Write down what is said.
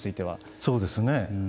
そうですね。